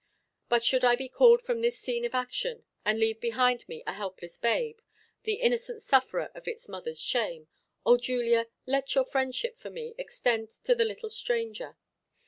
But should I be called from this scene of action, and leave behind me a helpless babe, the innocent sufferer of its mother's shame, O Julia, let your friendship for me extend to the little stranger.